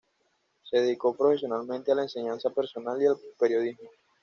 Se dedicó profesionalmente a la enseñanza personal y al periodismo.